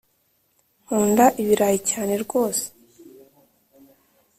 nkunda ibirayi cyane rwose